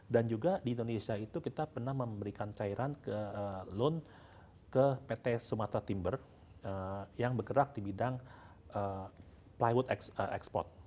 dan juga di indonesia itu kita pernah memberikan cairan ke loan ke pt sumatra timber yang bergerak di bidang plywood export